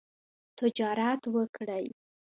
تجارت وکړئ